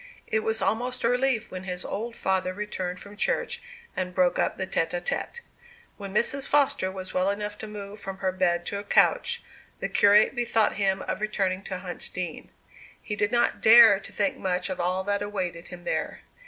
It was almost a relief when his old father returned from church and broke up the tête à tête. When Mrs. Foster was well enough to move from her bed to a couch, the curate bethought him of returning to Huntsdean. He did not dare to think much of all that awaited him there.